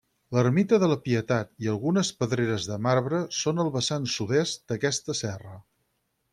L'Ermita de la Pietat i algunes pedreres de marbre són al vessant sud-est d'aquesta serra.